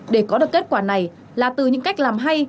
để có được kết quả này là từ những cách làm hay